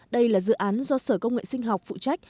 đây là dự án do sở công nghệ sinh học phụ trách